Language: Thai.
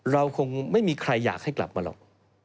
เราคงไม่มีใครอยากให้กลับมาหรอก